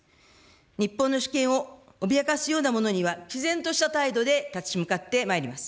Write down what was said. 日本の主権を脅かすようなものには、きぜんとした態度で立ち向かってまいります。